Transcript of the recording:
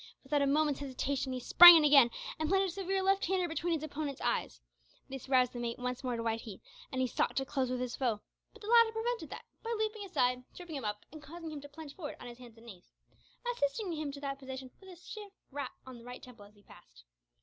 Without a moment's hesitation, he sprang in again and planted a severe left hander between his opponent's eyes. This roused the mate once more to white heat, and he sought to close with his foe, but the latter prevented that by leaping aside, tripping him up, and causing him to plunge forward on his hands and knees assisting him to that position with a stiff rap on the right temple as he passed.